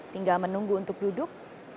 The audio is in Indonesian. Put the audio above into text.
tinggal menunggu untuk duduk